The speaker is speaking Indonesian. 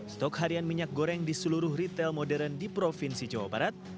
stok harian minyak goreng di seluruh retail modern di provinsi jawa barat